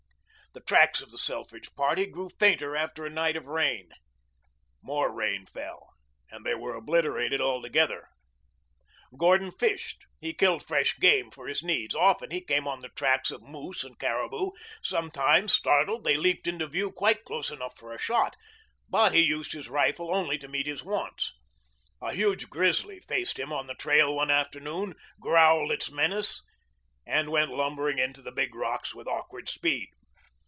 The tracks of the Selfridge party grew fainter after a night of rain. More rain fell, and they were obliterated altogether. Gordon fished. He killed fresh game for his needs. Often he came on the tracks of moose and caribou. Sometimes, startled, they leaped into view quite close enough for a shot, but he used his rifle only to meet his wants. A huge grizzly faced him on the trail one afternoon, growled its menace, and went lumbering into the big rocks with awkward speed.